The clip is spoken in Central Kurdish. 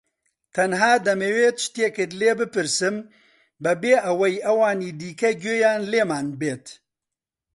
تەنها دەمەوێت شتێکت لێ بپرسم بەبێ ئەوەی ئەوانی دیکە گوێیان لێمان بێت.